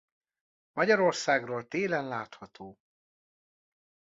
Magyarországról télen látható.